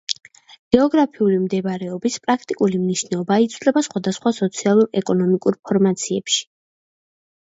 გეოგრაფიული მდებარეობის პრაქტიკული მნიშვნელობა იცვლება სხვადასხვა სოციალურ-ეკონომიკურ ფორმაციებში.